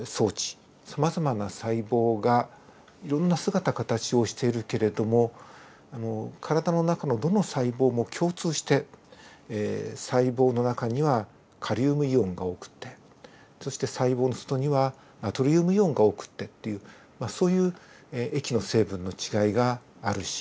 さまざまな細胞がいろんな姿かたちをしているけれども体の中のどの細胞も共通して細胞の中にはカリウムイオンが多くてそして細胞の外にはナトリウムイオンが多くてっていうまあそういう液の成分の違いがあるし。